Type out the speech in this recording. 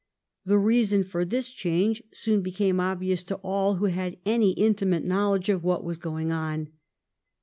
The reason for this change soon became obvious to all who had any intimate knowledge of what was going on.